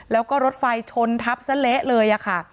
แล้วก็รถไฟชนทับซะเละเลยค่ะ